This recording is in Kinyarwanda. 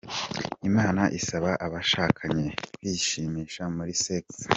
Imana isaba abashakanye kwishimisha muli sex.